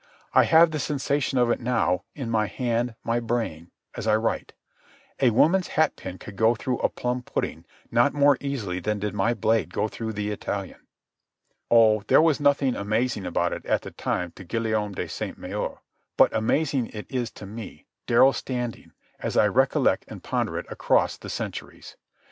I have the sensation of it now, in my hand, my brain, as I write. A woman's hat pin could go through a plum pudding not more easily than did my blade go through the Italian. Oh, there was nothing amazing about it at the time to Guillaume de Sainte Maure, but amazing it is to me, Darrell Standing, as I recollect and ponder it across the centuries.